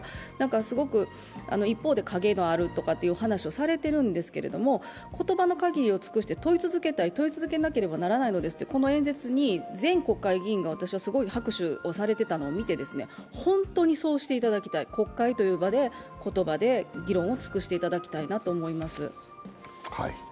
すごく一方で影のあるという話をされているんですけれども、言葉のかぎりを尽くして問い続けたい、問い続けなければいけないんですと、この演説に全国会議員が拍手をされていたのを見て本当にそうしていただきたい、国会という場で、言葉で議論を尽くしていただきたいなと思います。